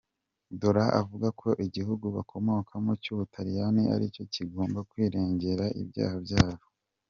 Dola avuga ko igihugu bakomokamo cy’Ubutaliyani aricyo kigomba kwirengera ibyaha byabo.